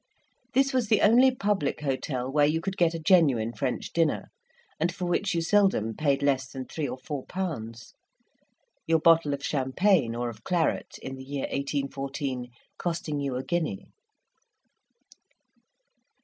This was the only public hotel where you could get a genuine French dinner, and for which you seldom paid less than three or four pounds; your bottle of champagne or of claret, in the year 1814, costing you a guinea.